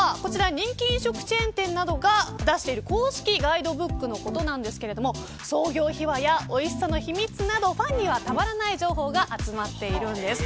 人気飲食チェーン店などが出している公式ガイドブックのことですが創業秘話やおいしさの秘密などファンにはたまらない情報が集まっているんです。